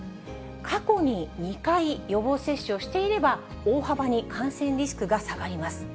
過去に２回、予防接種をしていれば、大幅に感染リスクが下がります。